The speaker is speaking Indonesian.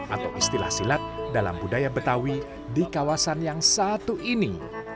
atau istilah silat dalam budaya betawi di kawasan yang satu ini